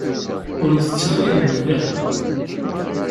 Ur itett ara ayen melliḥen.